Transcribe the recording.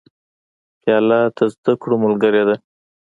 پیاله د زده کړو ملګرې ده.